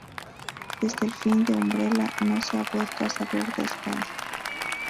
Desde el fin de Umbrella, no se ha vuelto a saber de Spencer.